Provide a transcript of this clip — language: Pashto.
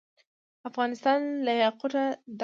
افغانستان له یاقوت ډک دی.